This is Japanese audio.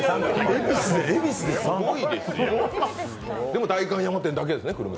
でも代官山店だけですね。